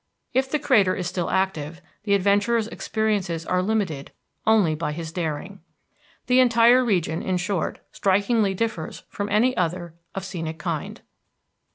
If the crater still is active, the adventurer's experiences are limited only by his daring. The entire region, in short, strikingly differs from any other of scenic kind.